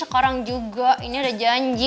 sekarang juga ini ada janji